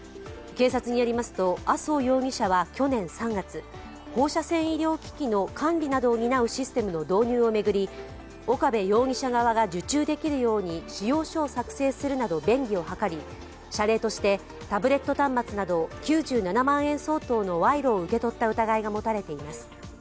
警察によりますと麻生容疑者は去年３月、放射線医療機器の管理などを担うシステムの導入を巡り岡部容疑者側が受注できるように仕様書を作成するなど便宜を図り、謝礼としてタブレット端末など９７万円相当の賄賂を受け取った疑いが持たれています。